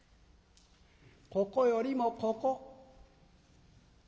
ここよりもここ」。